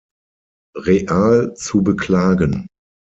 Real zu beklagen.